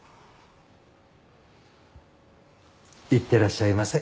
いってらっしゃいませ。